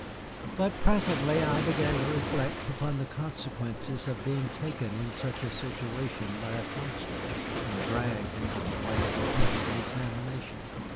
But presently I began to reflect upon the consequences of being taken in such a situation by a constable and dragged into the light of a public examination.